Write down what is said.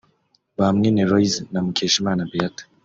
Bamwine Loyce na Mukeshimana Beata